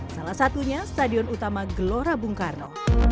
salah satunya stadion utama gelora bung karno